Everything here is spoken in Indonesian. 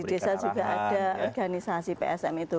iya dari desa juga ada organisasi psm itu